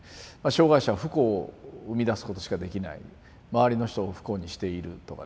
障害者は不幸を生み出すことしかできない周りの人を不幸にしているとかですね。